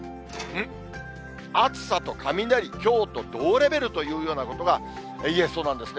暑さと雷、きょうと同レベルというようなことが言えそうなんですね。